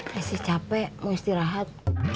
masih capek mau istirahat